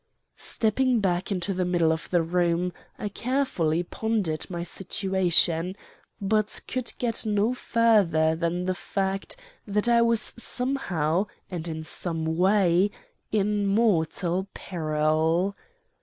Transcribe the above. "Stepping back into the middle of the room, I carefully pondered my situation, but could get no further than the fact that I was somehow, and in some way, in mortal peril.